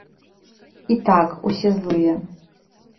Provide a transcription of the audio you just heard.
І так, усе злыя.